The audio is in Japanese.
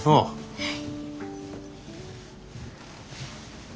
はい。